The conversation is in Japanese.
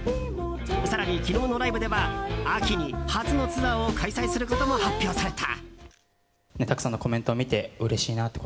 更に昨日のライブでは秋に初のツアーを開催することも発表された。